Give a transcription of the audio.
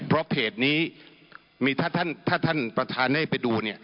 เพราะเพจนี้มีท่านพระท่านให้ไปดู